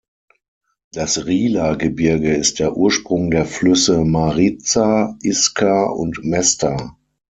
Das Rila-Gebirge ist der Ursprung der Flüsse Mariza, Iskar und Mesta.